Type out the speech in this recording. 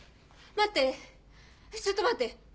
待ってえっちょっと待って。